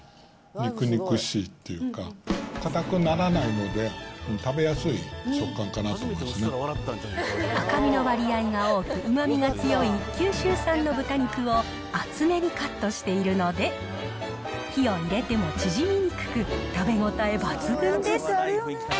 肉々しいっていうか、硬くならないので、食べやすい食感かな赤身の割合が多く、うまみが強い九州産の豚肉を、厚めにカットしているので、火を入れても縮みにくく、食べ応え抜群です。